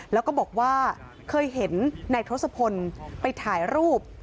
แล้วก็บอกว่าเคยเห็นนายทศพลไปถ่ายรูป